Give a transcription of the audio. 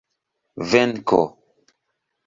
venko